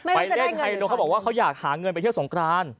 ไปเล่นไฮโลเขาบอกว่าเขาอยากหาเงินไปเที่ยวสงกราน